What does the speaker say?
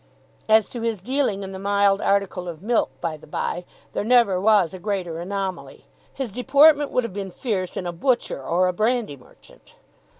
As to his dealing in the mild article of milk, by the by, there never was a greater anomaly. His deportment would have been fierce in a butcher or a brandy merchant.